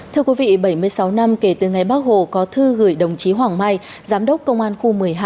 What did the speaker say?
thưa quý vị bảy mươi sáu năm kể từ ngày bác hồ có thư gửi đồng chí hoàng mai giám đốc công an khu một mươi hai